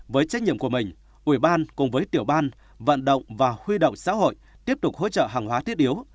với trách nhiệm của mình ủy ban cùng với tiểu ban vận động và huy động xã hội tiếp tục hỗ trợ hàng hóa thiết yếu